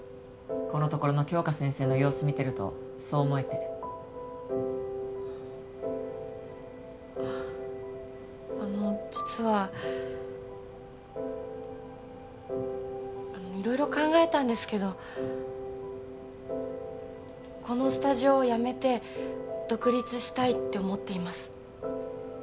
このところの杏花先生の様子見てるとそう思えてあの実は色々考えたんですけどこのスタジオを辞めて独立したいって思っています